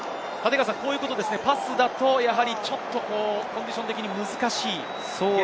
パスだと、やはり、ちょっとコンディション的に難しい。